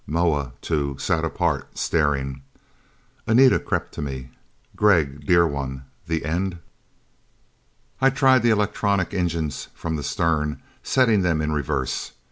Moa too, sat apart staring. And Anita crept to me. "Gregg, dear one. The end...." I tried the electronic engines from the stern, setting them in reverse.